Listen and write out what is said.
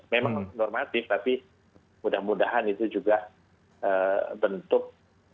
memang normatif tapi mudah mudahan itu juga bentuk